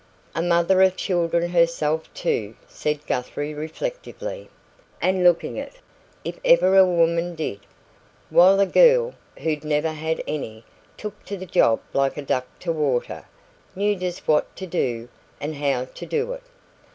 "A mother of children herself, too," said Guthrie reflectively, "and looking it, if ever a woman did. While a girl, who'd never had any, took to the job like a duck to water knew just what to do and how to do it.